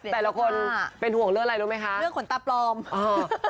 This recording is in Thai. แต่ละคนเป็นห่วงเรื่องอะไรรู้ไหมคะเรื่องขนตาปลอมอ่า